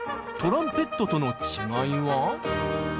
トランペットとの違いは？